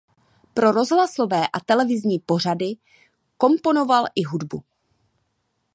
Pro rozhlasové a televizní pořady komponoval i hudbu.